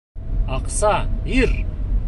Аҡса, ир!